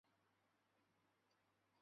祖父陈启。